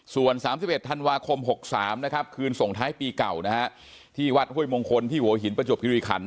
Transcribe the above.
ส่วน๓๑ธันวาคม๖๓นะครับคืนส่งท้ายปีเก่านะฮะที่วัดห้วยมงคลที่หัวหินประจวบคิริขัน